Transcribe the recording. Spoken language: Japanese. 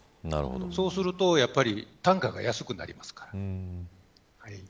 そうするとやはり単価が安くなりますから。